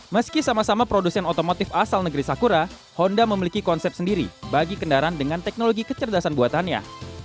meski sama sama produsen otomotif asal negeri sakura honda memiliki konsep sendiri bagi kendaraan dengan teknologi kecerdasan buatannya